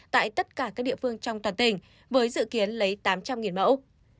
tại tất cả các địa phương trong toàn tỉnh với dự kiến lấy tám trăm linh mẫu